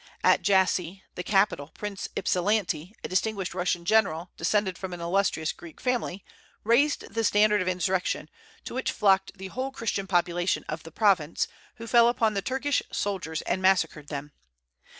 At Jassy, the capital, Prince Ypsilanti, a distinguished Russian general descended from an illustrious Greek family, raised the standard of insurrection, to which flocked the whole Christian population of the province, who fell upon the Turkish soldiers and massacred them.